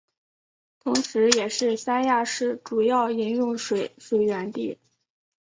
同时也是三亚市主要饮用水水源地。